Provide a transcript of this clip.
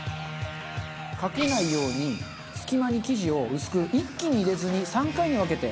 かけないように隙間に生地を薄く一気に入れずに３回に分けて。